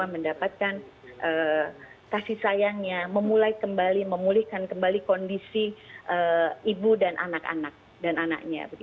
yang mendapatkan kasih sayangnya memulihkan kembali kondisi ibu dan anak anak